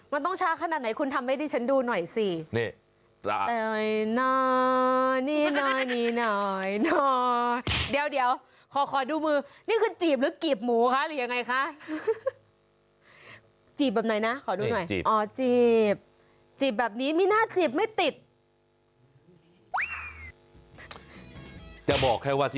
มันต้องช้าขนาดไหนคุณทำให้ดิฉันดูหน่อยสิ